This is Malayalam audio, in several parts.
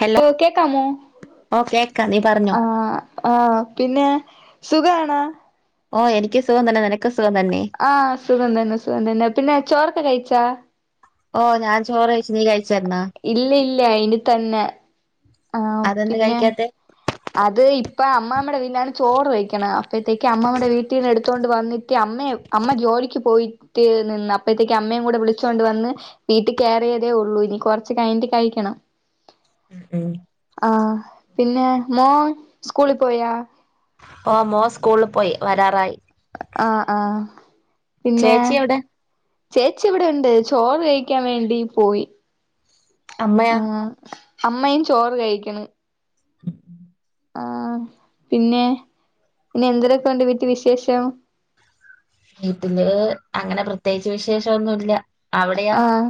ഹലോ ഏഹ് കേക്കാമോ ഓ കേക്ക നീ പറഞ്ഞോ ആഹ് ആഹ് പിന്നെ സുഖാണോ? ഓഹ് എനിക്ക് സുഖം തന്നെ. നിനക്കും സുഖം തന്നെ. ആഹ് സുഗം തന്നെ. സുഗം തന്നെ. പിന്നെ ചോറെക്കെ കഴിച്ചാ? ഓഹ് ഞാൻ ചോറെഴച്ച്. നീ കഴി ഇല്ല, ഇല്ല ഇനി തന്നെ. ആഹ് അതെന്ത് പിന്നെ കഴിക്കാത്തെ? അത് ഇപ്പ അമ്മാമ്മേടെ വീട്ടിലാണ് ചോറ് വെയ്ക്കണേ. അപ്പഴേത്തേക്ക് അമ്മാമ്മേടെ വീട്ടീന്ന് എടുത്തോണ്ട് വന്നിട്ട്, അമ്മയെ. അമ്മ ജോലിക്ക് പോയിട്ട് നിന്ന് അപ്പഴേത്തേക്ക് അമ്മേയും കൂടെ വിളിച്ചോണ്ട് വന്ന്. വീട്ടി കേറിയതേ ഉള്ളൂ. ഇനി കൊറെച്ച് കഴിഞ്ഞിട്ട് കഴിക്കണം. ഉം ഉം ആഹ് പിന്നെ മോൻ സ്കൂളിൽ പോയാ? ഓഹ് മോൻ സ്കൂളിൽ പോയി. വെരാറായി. ആഹ് ആഹ് പിന്നെ ചേച്ചി എവിടെ ചേച്ചി ഇവിടൊണ്ട് ചോറ് കഴിക്കാൻ വേണ്ടി പോയി. അമ്മയാ ആഹ്, അമ്മയും ചോറ് കഴിക്കണ്. ഉം ആഹ് പിന്നെ പിന്നെ എന്തിരെക്കെണ്ട് വീറ്റി വിശേഷം? വീട്ടില്, അങ്ങനെ പ്രത്യേകിച്ച് വിശേഷോന്നുല്ല. ആഹ്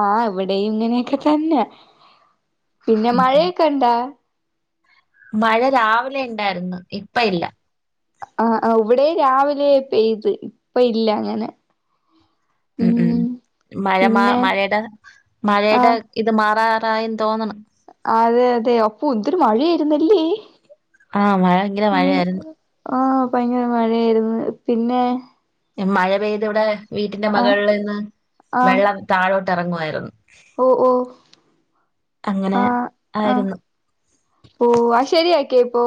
ആഹ് ഇവിടെയും ഇങ്ങനെയെക്കെ തന്നെ. പിന്നെ ഉം ഉം. മഴയ ക്കെണ്ടാ? മഴ രാവിലെ ണ്ടായിരുന്നു. ഇപ്പ ഇല്ല. ആഹ്, ആഹ് ഇവെടെയും രാവിലെ പെയ്ത്. ഇപ്പ ഇല്ല അങ്ങനെ. ഉം ഉം മഴ മാ പിന്നെ മഴേടെ മഴേടെ ആഹ് ഇത് മാറാറായെന്ന് തോന്നണ്. അതെ, അതെ. അപ്പൊ എന്തിര് മഴയായിരുന്നല്ലേ? ആഹ് മഴ ഭയങ്കര മഴയാരുന്നു. ഓഹ് ഭയ്ങ്കര മഴേര്ന്ന്. പിന്നെ മഴ പെയ്ത് വടെ വീട്ടിന്റെ ആഹ് മെകളിൽ നിന്ന് ആഹ് വെള്ളം താഴോട്ട് എറങ്ങുവായ്രുന്ന്. ഓഹ് ഓഹ് അങ്ങനെ ആഹ് ആഹ് ആയിരുന്നു. ഓഹ് അഹ് ശെരിയാക്കിയോ ഇപ്പോ?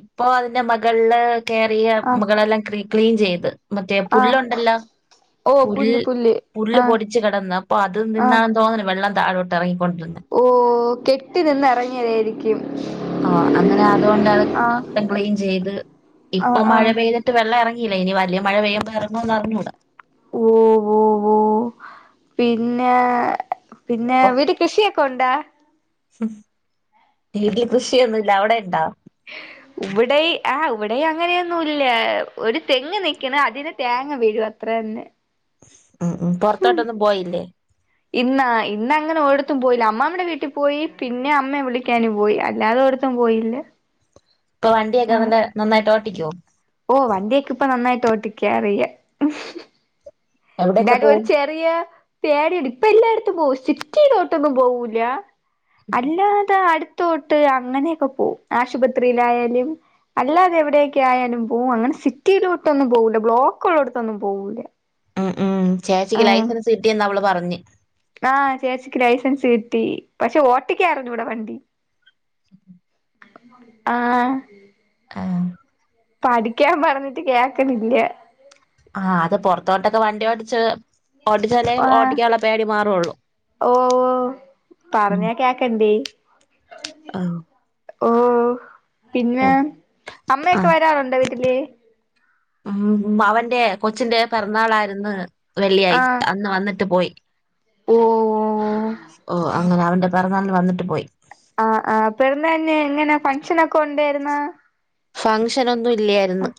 ഇപ്പോ അതിന്റെ മൊകൾല് കേറിയ ആഹ് മുകളെല്ലാം ക്രി ക്ലീൻ ചെയ്ത്. മറ്റേ ആഹ് പുല്ലൊണ്ടല്ലോ ഓ പുൽ പുല്ല് പുല്ല് ആഹ് പൊടിച്ച് കിടന്ന് അപ്പൊ അത് നിന്നാണെന്ന് തോന്നുണ് വെള്ളം താഴോട്ടറങ്ങിക്കൊണ്ടിരുന്നെ ഓഹ് കെട്ടി നിന്ന് എറങ്ങിയതായിരിക് ക്യും. ആഹ് അങ്ങനെ അതുകൊണ്ടതങ്ങ് മൊത്തം ക്ലീൻ ചെയ്ത് ആഹ് ഇപ്പം മഴ ആഹ് പെയ്ത് ട്ട് വെള്ളെറങ്ങീല്ല ഇനി വലിയ മഴ പെയ്യുമ്പ എറങ്ങോന്നറിഞ്ഞൂടാ. ഓവോവോഹ്. പിന്നെ പിന്നെ വീട്ടി കൃഷിയൊ കൊണ്ടാ ഹും വീട്ടീ കൃഷിയൊന്നുല്ല. അവിടെ യിണ്ടോ? ഇവിടെയ് ആഹ് ഇവിടെയ് അങ്ങനെയൊന്നും ഇല്ല ഒരു തെങ്ങ് നിക്കണ് അതിന് തേങ്ങ വീഴും അത്ര തന്നെ. ഉം ഉമ് പുറത്തോട്ടൊന്നും പോയില്ലേ ഇന്നാ? ഇന്ന് അങ്ങനെ ഒരിടത്തും പോയില്ല അമ്മാമ്മേടെ വീട്ടി പോയി പിന്നെ അമ്മയെ വിളിക്കാനും പോയി. അല്ലാതെ ഒര്ട് ത്തും പോയില്ല. ഇപ്പ വണ്ടിയൊക്കെ നല്ല നന്നായിട്ട് ഓട്ടിക്കോ? ഓഹ് വണ്ടിയൊക്കെ ഇപ്പൊ നന്നായിട്ട് ഓട്ടിക്ക്യാ അറിയാ. എവിടെയൊക്കെ എന്തായാലും ഒരു പോവും? ചെറിയ പേടിയുണ്ട്. ഇപ്പ എല്ലായിടത്തും പോവും സിറ്റിയിലോട്ടൊന്നും പോവൂല്ല. അല്ലാതെ അടുത്തോട്ട് അങ്ങനെയൊക്കെ പോവും. ആശുപത്രിയിലായാലും അല്ലാതെ എവിടെയൊക്കെ ആയാലും പോവും അങ്ങനെ സിറ്റിയിലോട്ടൊന്നും പോകൂല്ല ബ്ലോക്കൊള്ളോടുത്തൊന്നും പോകൂല്ല. ഉം ഉം ചേച്ചിക്ക് ലൈസൻസ് കിട്ടിയെന്ന് അവള് പറഞ്ഞ്. ആഹ് ചേച്ചിക്ക് ലൈസൻസ് കിട്ടി പക്ഷെ ഓട്ടിക്ക്യാ അറിഞ്ഞൂട വണ്ടി. ആഹ് ആഹ് പഠിക്ക്യാൻ പറഞ്ഞിട്ട് കേക്ണില്ല. ആഹ് അത് പുറത്തോട്ടൊക്കെ വണ്ടി ഓടിച്ച് ഓട്ടിച്ചാലെ ആഹ് ഓട്ടിക്ക്യാള്ള പേടി മാറൊള്ളൂ ഉം ക്കണ്ടേ ആഹ് ഓഹ് പിന്നെ, ഓ അമ്മയൊക്കെ വരാറുണ്ടോ വീട്ടില്? ഉമ് അവന്റെ കൊച്ചിന്റെ പിറന്നാളായിരുന്ന് വെള്ളിയാഴ്ച അന്ന് വന്നിട്ട് പോയി. ഉവ്വൊഉവ്വോ. ഓഹ് അങ്ങനെ അവന്റെ പെറന്നാളിന് വന്നിട്ട് പോയി. ആഹ് ആഹ് പെറന്നാളിന് എങ്ങനെ ഫംഗഷനോക്കെ ഉണ്ടായിരുന്നോ? ഫങ്ഷൻ ഒന്നും ഇല്ല്യായിര്ന്ന്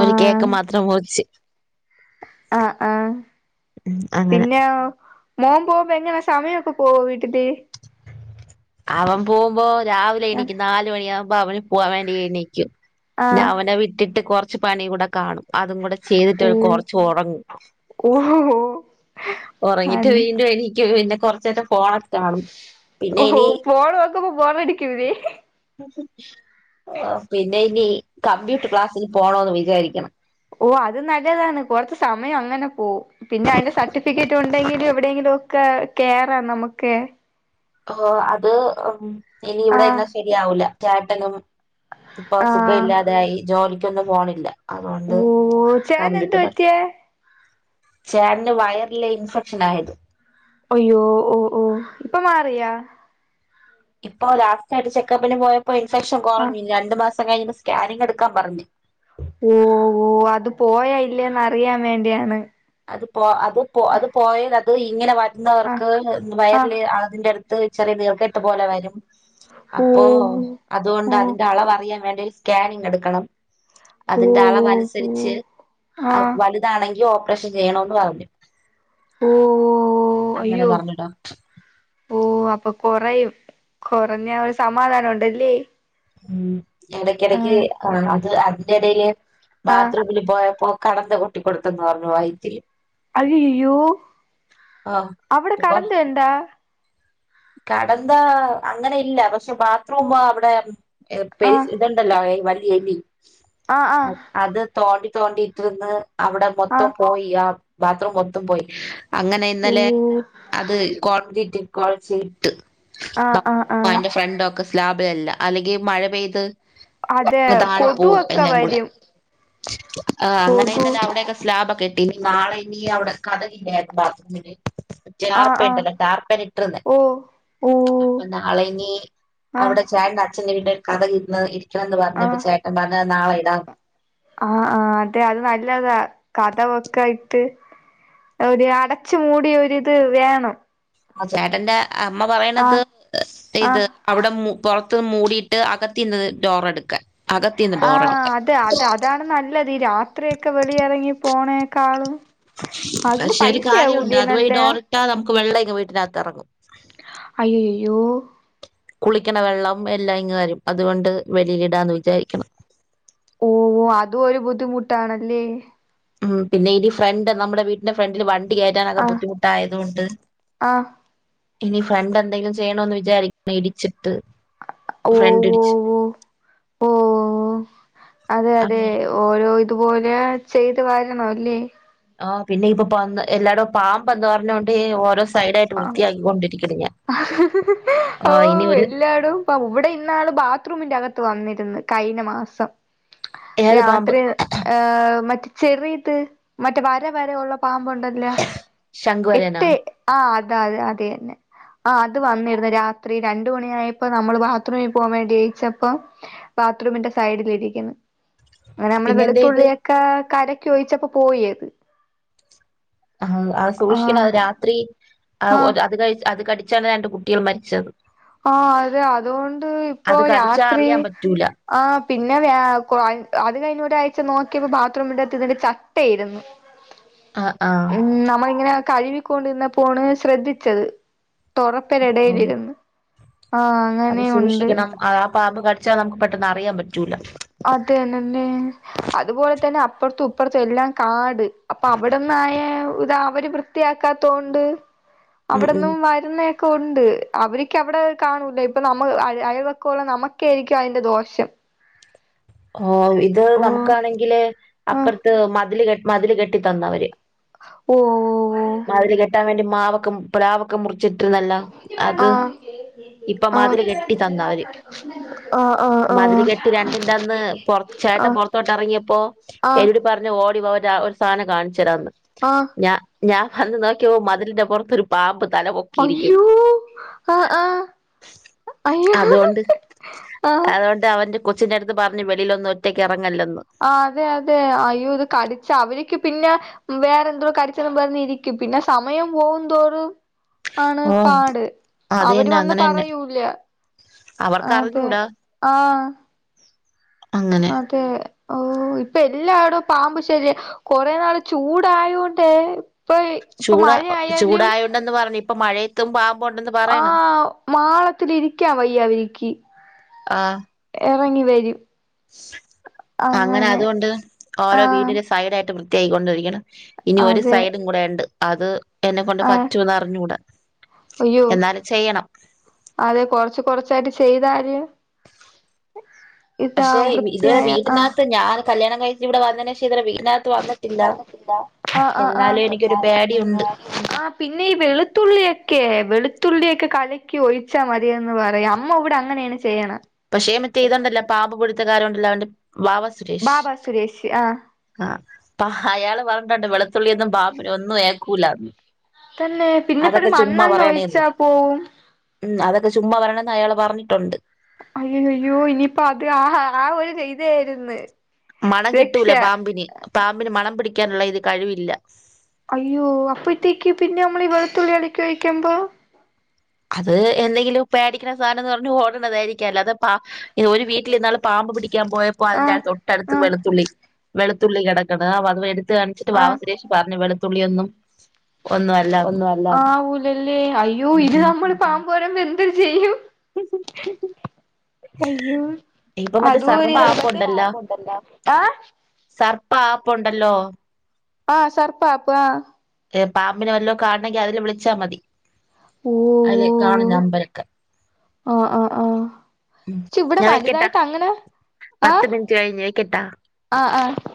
ഒരു കേക്ക് മാത്രം മുറിച്ച്. ആഹ് ആഹ് ഉം അങ്ങനെ പിന്നോ മോൻ പോകുമ്പ എങ്ങനാ സമയൊക്കെ പോവോ വീട്ടില്? അവൻ പോകുമ്പോ രാവിലെ ആഹ് എണീക്കും നാല് മണി ആവു മ്പ അവന് പോവാൻ വേണ്ടി എണീക്കും പിന്നെ ആഹ് അവനെ വിട്ടിട്ട് കൊറച്ച് പണിം കൂടെ കാണും. അതും കൂടെ ചെയ്തിട്ട് കുറച്ച് ഒറങ്ങും. ഓഹ്ഹോ ഉറങ്ങിട്ട് വീണ്ടും എണീക്കും പിന്നെ കൊറച്ച് നേരം ഫോണൊക്കെ കാണും പിന്നെ ഓഹ് ഇനി ഫോൺ നോക്കുമ്പോ ബോറടിക്കുല്ലേ പിന്നെ ഇനി കമ്പ്യൂട്ടർ ക്ലാസ്സിൽ പോണോന്ന് വിചാരിക്കണ് ഓ അത് നല്ലതാണ് കൊറച്ച് സമയം അങ്ങനെ പോവും പിന്നെ അതിന്റെ സർട്ടിഫിക്കറ്റ് ഉണ്ടെങ്കിലും എവിടെയെങ്കിലും ഒക്കെ കയറാ നമുക്കെ ഓ അത് ഇനി ഇവിടെ ആഹ് നിന്ന ശരിയാവൂല ചേട്ടനും ഇപ്പൊ സുഖം ആഹ് ഇല്ലാതായി ജോലിക്കൊന്നും പോണില്ല അതുകൊണ്ട് ഓ ചേട്ടന് എന്ത് കമ്പ്യൂട്ടർ പഠിക്ക പറ്റിയേ ചേട്ടന്റെ വയറിലെ ഇൻഫെക്ഷൻ ആയത് അയ്യോ ഓ ഓ ഇപ്പൊ മാറിയ ഇപ്പോ ലാസ്റ്റ് ആയിട്ട് ചെക്കപ്പിന് പോയപ്പോ ഇൻഫെക്ഷൻ ആഹ് കുറഞ്ഞില്ല രണ്ട് മാസം കഴിയുമ്പോ സ്കാനിങ് എടുക്കാൻ പറഞ് ഓ ഓ അത് പോയ ഇല്ലേന്ന് അറിയാൻ വേണ്ടിയാണ് അത് പോ അത് പോ അത് പോയാൽ അത് ഇങ്ങനെ ആഹ് വരുന്നവർക്ക് ആഹ് വയറില് അതിന്റെ അടുത്ത് ഇത്‌ ചെറിയ നീർക്കെട്ട് പോലെ വരും ഓ അപ്പോ അതുകൊണ്ട് ഓ അതിന്റെ അളവ് അറിയാൻ വേണ്ടി സ്കാനിങ് എടുക്കണം ഓ അതിന്റെ ഓ ഓ അളവനുസരിച്ച് ആഹ് വലു ഇതാണെങ്കിൽ ഓപ്പറേഷൻ ചെയണോന്ന് പറഞ്ഞു ഓ അങ്ങനെ അയ്യോ പറഞ്ഞു ഓ അപ്പൊ കൊറയും കുറഞ്ഞ ഒരു സമാധാനം ഉണ്ടല്ലേ ഉം ഇടക്കിടക്ക് ആഹ് ആഹ് അത് അതിന്റെ ഇടയില് ആഹ് ബാത്റൂം ഇവര് പോയപ്പോ കടന്ത്‌ കൂട്ടി കൊടുത്തെന്ന് പറഞ്ഞു വൈറ്റില് അയ്യയയ്യോ അവിടെ ആഹ് കടന്ത ഇണ്ട കടന്ത അങ്ങനെ ഇല്ല പക്ഷെ ബാത്റൂം അവിടെ പേ ആഹ് ഇതുണ്ട് ഉണ്ടല്ലോ വലിയ എലി ആഹ് ആഹ് അത് തോണ്ടി തോണ്ടിട്ട് രുന്ന് അവിടെ മൊത്തം ആഹ് പോയി ആ ബാത്റൂം മൊത്തം പോയി ഹ് അങ്ങനെ ഓ ഇന്നലെ അത് കോൺക്രീറ്റ് കൊഴച്ച് ഇട്ട് ആഹ് ആഹ് ബാത്റൂം ആഹ് അതിന്റെ ഫ്രണ്ട് ഒക്കെ സ്ലാബിലല്ല അല്ലെങ്കിൽ മഴ പെയ്ത് അതെ താഴെ കൊതു പോവും ഒക്കെ എല്ലാം കൂടെ വരും ആഹ് അങ്ങനെ കൊതു ഇന്നലെ അവിടെയൊക്കെ സ്ലാബ് ഒക്കെ ഇട്ട് ഇനി നാളെ ഇനി അവിടെ കഥകില്ലായിരുന്നു ബാത്റൂമില് ആഹ് ജാർപ്പ ഉണ്ടല്ലോ ടാർപ്പൻ ഇട്ടിർന്നെ ഓഹ് അപ്പൊ നാളെ ഇനി അവിടെ ചേട്ടന്റെ അച്ഛന്റെ വീട്ടി കഥക് ഇരുന്ന ഇരിക്കണം എന്ന് പറഞ്ഞപ്പ ആഹ് ചേട്ട ൻ പറഞ്ഞത് നാളെ ഇടാന്ന് ആഹ് ആഹ് അതെ അത് നല്ലതാ കഥകൊക്കെയായിട്ട് ഒരു അടച് മൂടിയ ഒരിത് വേണം ആഹ് ചേട്ടന്റെ അമ്മ പറയണത് ആഹ് ഇത് ആഹ് അവിടെ മൂ പുറത്ത് മൂടിയിട്ട് അകത്തീന്ന് ഡോർ എടുക്കാൻ അകത്തിന്ന് ഡോർ ആഹ് എടുക്കാൻ അതെ അത് അതാണ് നല്ലത് ഈ രാത്രിയൊക്കെ വെളി ഇറങ്ങി പോണേക്കാളും അതിന് പൈസയാവൂലെ നല്ലെ റ്റാ നമുക്ക് വെള്ളമിങ് വീട്ടിനകത്തിറങ്ങും അയ്യയയ്യോ കുളിക്കണ വെള്ളം എല്ലാം ഇങ്ങ് വരും അതുകൊണ്ട് വെളിയിൽ ഇടാന്ന് വിചാരികേണ് ഓ അതും ഒരു ബുദ്ധിമുട്ടാണല്ലേ ഉം പിന്നെ ഇതി ഫ്രണ്ട് നമ്മുടെ വീട്ടിന്റെ ഫ്രണ്ടില് വണ്ടി വണ്ടി കയറ്റാനൊക്കെ ആഹ് ബുദ്ധിമുട്ടായതു കൊണ്ട് ആഹ് ഇനി ഫ്രണ്ട് എന്തെങ്കിലും ചെയ്യണോന്ന് വിചാരിക്കുന്നു ഇടിച്ചിട്ട് ഫ്രണ്ട് ഇടിച്ച് ഓവോവോ ഓ ഓ അതെ അതെ അങ്ങനെ ഓരോ ഇതുപോലെ ചെയ്ത് വാരണം അല്ലേ ആഹ് പിന്നെ ഇപ്പൊ പന്ന് എല്ലാടും പാമ്പ് എന്താ പറഞ്ഞോണ്ട് ഓരോസ് ആഹ് ഓ ആ ഇനി ഒരു എല്ലാടും പ്പം ഇവിടെ ഇന്നാള് ബാത്റൂമിന്റെകത്ത് വന്നിരുന്ന് കഴിഞ്ഞ മാസം ഏത് പാമ്പ് രാത്രി ഏഹ് മറ്റ് ചെറിയത് മറ്റേ വര വര ഒള്ള പാമ്പൊണ്ടല്ലാ ശംഖുവരനാ എട്ടേ ആഹ് അത അതെ അത് തന്നെ ആഹ് അത് വന്നിരുന്നു രാത്രി രണ്ട് മണി ആയപ്പോ നമ്മള് ബാത്റൂമിൽ പോകാൻ വേണ്ടിയേയിച്ചപ്പം ബാത്റൂമിന്റെ സൈഡിലിരിക്കുന്ന് അങ്ങനെ നമ്മള് പിന്നെ എന്റെ ഇത് വെളുത്തുള്ളിയൊക്ക കരക്കി ഒഴിച്ചപ്പോ പോയിയത് ആഹ് ആഹ് അത് സൂക്ഷിക്കണം അത് രാത്രി ആഹ് അത് കഴി അത് കടിച്ചാണ് രണ്ട് കുട്ടികൾ മരിച്ചത് ആഹ് അതെ അതുകൊണ്ട് ഇപ്പൊ അത് കടിച്ചാ രാത്രി അറിയാൻ പറ്റൂല ആഹ് പിന്നെ വ്യാ കു അത് കഴിഞ്ഞൂ ഒരു ആഴ്ച്ച നോക്കിയപ്പോ ബാത്റൂമിന്റെത്ത് ഇതിന്റെ ചട്ടയിരുന്നു ആ ആ [unintelligible] ഉം നമ്മള ഇങ്ങനെ കഴുവിക്കൊണ്ടിരുന്നപ്പോണ് ശ്രദ്ധിച്ചത് ഓ തുറപ്പിനടേയിലിരുന്നു ആഹ് അത് അങ്ങനെയുണ്ട് സൂക്ഷിക്കണം ആ പാമ്പ് കടിച്ചാ നമുക്ക് പെട്ടെന്ന് അറിയാൻ പറ്റൂല അത് തന്നന്നേ അതുപോലെ തന്നെ അപ്പുറത്തും ഇപ്പുറത്തും എല്ലാം കാട് അപ്പൊ അവിടന്നായ ഇത അവര് വൃ ത്തിയാക്കാത്തോണ്ട് ഉം ഉം അവിടന്നും വരും പറയുന്നൊക്കെ ഒണ്ട് അവര്ക്ക് അവിടെ കാണൂല ഇപ്പൊ നമ്മ അയ അയൽ വക്കം ഒള്ള നമുക്കെരിക്കും അതിന്റെ ദോഷം ഓഹ് ഇത് ഓ നമുക്കാണെങ്കില് ആഹ് അപ്പുറത്ത് മതില് കെ മതില് കെട്ടി തന്നവര് ഓഹ് ഓഹ് ഓഹ് മതില് കെട്ടാൻ വേണ്ടി മാവൊക്കെ പ്ലാവൊക്കെ മുറിച്ചിട്ടിരുന്നല്ലോ അത് ആഹ് ഇപ്പൊ ആഹ് മതില് കെട്ടി തന്നവര് ആഹ് മതില് ആഹ് കെട്ടി രണ്ടി ൻ്റെന്ന് പൊറത്ത് ആഹ് ചേട്ടൻ ആഹ് പൊറത്തോട്ടെറങ്ങിയപ്പോ [unintelligible] പറഞ്ഞു ഓടിവാ ഒര ഒരു സാനം കാണിച്ചു തരാവെന്ന് ആഹ് ഞാ ഞാ വന്ന് നോക്കിയപ്പോ മതിലിന്റെ പൊറത്തൊരു പാമ്പ് തലപൊക്കി അയ്യോ ആഹ് ആഹ് അയ്യോ ആഹ് [unintelligible] അവൻ്റെ കൊച്ചിന്റെ അടുത്ത് പറഞ്ഞു വെളിയിലൊന്നും ഒറ്റക്കെറങ്ങല്ലെന്ന് ആഹ് അതെ അതെ അയ്യോ ഇത് കടിച്ച അവരിക്ക് പിന്നെ വേറെ എന്തോ കടിച്ചെന്നും പറഞ്ഞിരിക്കും പിന്നെ സമയം പോകുംതോറും ആണ് ഓ പാട് അത് അവര് തന്നെ വന്ന് അങ്ങനെ തന്നെ പറയൂല അതെ അവർക്കറിഞ്ഞൂടാ ആഹ് അങ്ങനെ അതെ ഓഹ് ഇപ്പൊ എല്ലാടോം പാമ്പു ശല്യ കൊറേ നാള് ചൂടായോണ്ടേ ഇപ്പ ഇപ്പ ചൂട മഴയായാലും ചൂടായുണ്ടന്ന് പറഞ്ഞു ഇപ്പൊ മഴയത്തും പാമ്പൊണ്ടെന്ന് പറ ആഹ് മാളത്തിലിരിക്കാ വയ്യ അവരിക്ക് ആഹ് എറങ്ങി വരും അങ്ങനെ അതുകൊണ്ട് ഓരോ ആഹ് വീടിന്റെ സൈഡായിട്ട് വൃത്തിയാക്കിക്കൊണ്ടിരിക്കണ് ഇനി ഒരു അതെ സൈഡും കൂടെ ഉണ്ട് അത് എന്നെ കൊണ്ട് ആഹ് പറ്റൂന്ന് അറിഞ്ഞുടാ അയ്യോ അതെ കൊറച്ച് കൊറച്ചായിട്ട് ചെയ്താല് ഇതാ പക്ഷെ ഇതുവരെ വൃത്തിയായ ആഹ് വീട്ടിനാത്ത് ഞാൻ കല്യാണം കഴിച്ച് ഇവിടെ വന്നേനേഷം ഇതുവരെ വീടിനാത്ത് വന്ന ന്നിട്ടില്ല ആഹ് ആഹ് എനിക്കൊരു എന്നാല് പിന്നെ പേടിയുണ്ട് ആഹ് പിന്നെ ഈ വെളുത്തുള്ളിയൊക്കെ വെളുത്തുള്ളിയൊക്കെ കലക്കി ഒഴിച്ചാൽ മതി. അന്ന് പറയാ അമ്മ ഇവിടെ അങ്ങനെയാണ് ചെയ്യണ്. പക്ഷേ മറ്റേ ഇതുണ്ടല്ലോ പാമ്പ് പിടുത്തകാരം ണ്ടല്ല അവന്റെ വാവ സുരേഷ് വാവ സുരേഷ് ആഹ്. ആഹ് അയാള് പറഞ്ഞിട്ടുണ്ട് വെളുത്തുള്ളിയൊന്നും പാമ്പിനൊന്നും ഒന്നും ഏക്കൂലന്ന്. തന്നെ പിന്നെ പ്പറിം മണ്ണെണ് ഒഴിച്ചാ പോവും. ഉം അതൊക്കെ ചുമ്മാ പറയുന്നതെന്ന് അയാള് പറഞ്ഞിട്ടുണ്ട്. അയ്യോ അയ്യോ ഇനിയിപ്പോ അത് ആഹ് ഒരു ധൈര്യം ആയിരുന്ന്. മണം കിട്ടൂല പാമ്പിന് പാമ്പിന് മണം പിടിക്കാനുള്ള ഇത് കഴിവില്ല. അയ്യോ അപ്പ ഇത്തേക്ക് പിന്നെ നമ്മൾ ഈ വെളുത്തുള്ളി കലകി ഒഴിക്കുമ്പോ. അത് എന്തെങ്കിലും പേടിക്കണ സാധനം എന്ന് പറഞ്ഞു ഓടണതായിരിക്കും അല്ലാതെ പാമ്പ് ഒരു വീട്ടിൽ ഇന്നാള് പാമ്പ് പിടിക്കാൻ പോയ അപ്പൊ അതിന്റെറ ആഹ് അത്ത്ട്ടടുത്ത് ആഹ് വെളുത്തുള്ളി വെളുത്തുള്ളി കിടക്കണ്. അത് എടുത്ത് കാണിച്ചിട്ട് വാവ ആഹ് സുരേഷ്. പറഞ്ഞു വെളുത്തുള്ളിയൊന്നും. ഒന്നും അല്ലാന്ന് ഒന്നൂഅല്ല ആവൂലല്ലേ അയ്യോ ഉം ഇത് ഉം നമ്മൾ പാമ്പ് വരുമ്പോൾ എന്തുരു ചെയ്യും. അയ്യോ ഇപ്പൊ മറ്റേ അതുവര് സർപ്പ അതിനൊക്കെ ആപ്പുണ്ടല്ലോ ആപ്പ് ഉണ്ടേലോ എ സർപ്പ ആപ്പ് ഉണ്ടല്ലോ. ആഹ് സാർപ്പം പാപ്പ് ആ- ഏഹ പാമ്പിനെ വല്ലോ കാണണെങ്കിൽ അതില് വിളിച്ചാൽ മതി ഓ അതില് കാണും നമ്പർ ഒക്കെ. ഒ ഒ ഓ.. ഉം പക്ഷേ ഇവിടെ ഞാൻ വെക്കട്ടാ വലുതായിട്ട് അങ്ങനെ ആഹ പത്ത് മിനിറ്റ് കഴിഞ്ഞ് വെക്കട്ടാ ആ ആ-